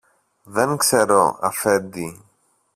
Δεν ξέρω, Αφέντη.